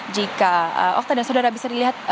jika okta dan saudara bisa dilihat